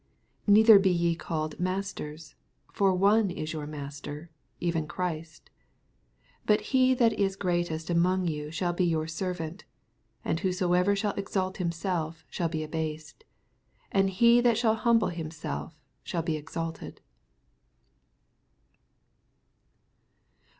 10 Neither be ye called masters: for one is your Master, even Christ. 11 But he that is greatest among you shall be your servant. 12 And wnosoever shall exalt him self shall be abased ; and he that shaQ humble himself shaJl be exalted.